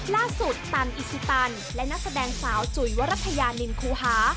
ตันอิชิตันและนักแสดงสาวจุ๋ยวรัฐยานินคูฮา